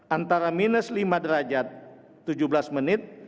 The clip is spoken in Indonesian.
antara minus lima derajat tujuh belas menit